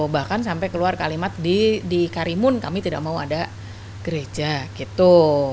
bahkan sampai keluar kalimat di karimun kami tidak mau ada gereja gitu